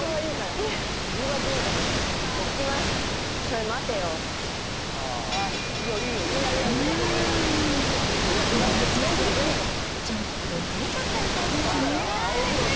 あー、いや、いいよいいよ、憧れ強すぎて、ちょっとてれちゃったみたいですね。